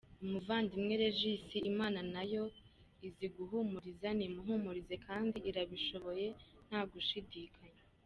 Umuvandimwe Regis, Imana yo izi guhumuriza nimuhumurize, kandi irabishoboye ntagushidikanya.